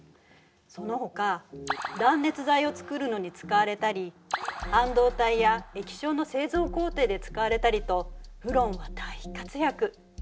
そのほか断熱材を作るのに使われたり半導体や液晶の製造工程で使われたりとフロンは大活躍。